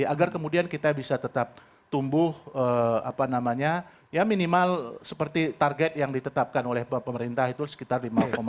agar kemudian kita bisa tetap tumbuh apa namanya ya minimal seperti target yang ditetapkan oleh pemerintah itu sekitar lima empat